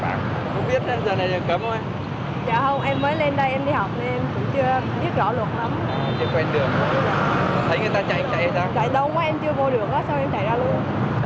dạ không em mới lên đây em đi học nên em cũng chưa biết rõ luật lắm